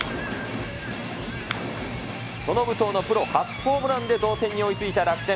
その武藤のプロ初ホームランで同点に追いついた楽天。